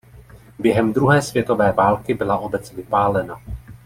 Během druhé světové války byla obec vypálena.